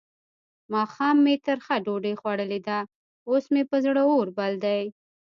ماښام مې ترخه ډوډۍ خوړلې ده؛ اوس مې پر زړه اور بل دی.